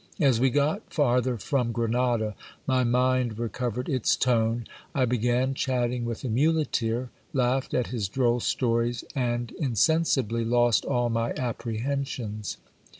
As we got farther from Grenada, my mind recovered its tone. I began chatting with the muleteer, laughed at his droll stories, and insensibly lost all my apprehensions.